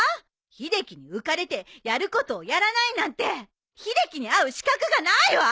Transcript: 秀樹に浮かれてやることをやらないなんて秀樹に会う資格がないわ！